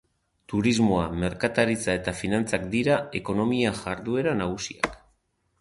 Turismoa, merkataritza eta finantzak dira ekonomia jarduera nagusiak.